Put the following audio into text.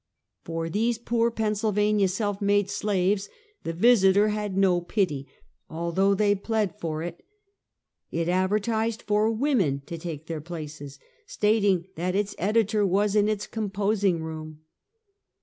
For these poor Pennsylvania self made slaves the Visiter had no pity, although they plead for it. It advertised for women to take their places, stating that its editor was in its composing room.